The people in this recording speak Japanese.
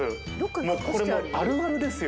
もうこれ、あるあるですよ。